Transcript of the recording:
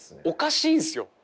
おかしいんすよ。